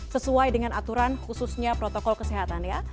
sesuai dengan aturan khususnya protokol kesehatan ya